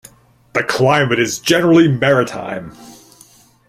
The climate is generally maritime.